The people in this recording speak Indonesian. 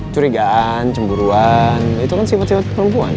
curigaan cemburuan itu kan simpat simpat perempuan